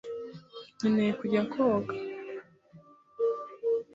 Nkeneye kujya koga.